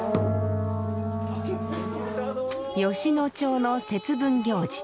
吉野町の節分行事